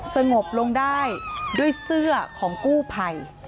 สงบลงได้ด้วยเสื้อของกู้ภัย